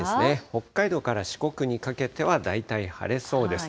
北海道から四国にかけては、大体晴れそうです。